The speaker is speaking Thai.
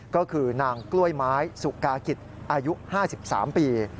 ก็คือนางกล้วยไม้สุกากิจอายุ๕๓ปี